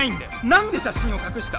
なんで写真を隠した？